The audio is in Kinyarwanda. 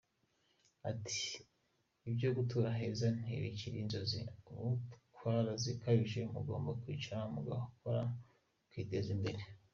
Ati “Ibyo gutura heza ntibikiri inzozi, ubu mwarazikabije, mugomba kwicara mugakora mukiteza imbere.